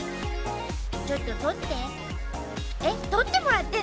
ちょっと取って。